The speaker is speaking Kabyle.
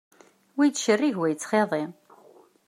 Wa yettcerrig, wa yettxiḍi.